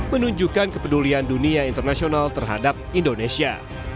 menunjukkan kepedulian dunia internasional terhadap indonesia